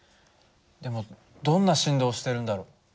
でもどんな振動をしてるんだろう？